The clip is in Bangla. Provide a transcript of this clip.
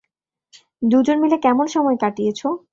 দুজন মিলে কেমন সময় কাটিয়েছো?